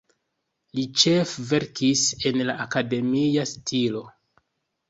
Li ĉefe verkis en la akademia stilo.